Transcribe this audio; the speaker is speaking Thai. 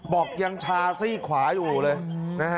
บอกยังชาซี่ขวาอยู่เลยนะฮะ